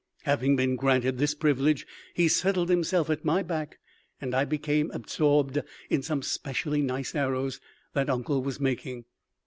Having been granted this privilege, he settled himself at my back and I became absorbed in some specially nice arrows that uncle was making.